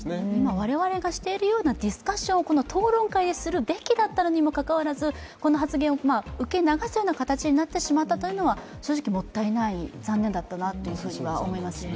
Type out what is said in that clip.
我々がしているようなディスカッションを討論会でするべきだったのにもかかわらずこの発言を受け流すような形になってしまったというのは正直、もったいない、残念だったなと思いますね。